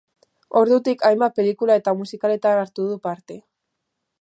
Ordutik hainbat pelikula eta musikaletan hartu du parte.